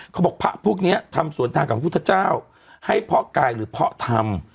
เขาบอกพระพวกนี้ทำสวนทางกับพุทธเจ้าให้เพาะกายหรือเพาะธรรม